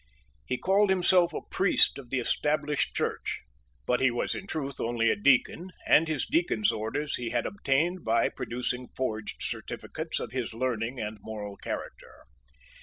He called himself a priest of the Established Church; but he was in truth only a deacon; and his deacon's orders he had obtained by producing forged certificates of his learning and moral character.